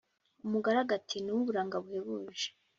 umugaragu ati"nuwuburanga buhebuje